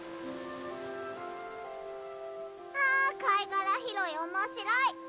あかいがらひろいおもしろい。